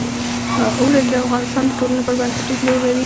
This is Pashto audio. اوړي د افغانستان د ټولنې لپاره بنسټيز رول لري.